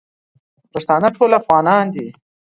پښتانه ټول افغانان دي